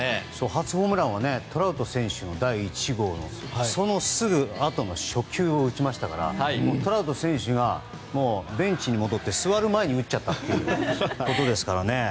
初ホームランはトラウト選手の第１号でそのすぐあとの初球を打ちましたからトラウト選手がベンチに戻って座る前に打ったということですからね。